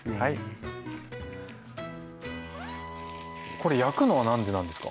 これ焼くのは何でなんですか？